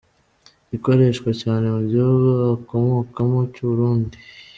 gikoreshwa cyane mu gihugu akomokamo cyu Burundi.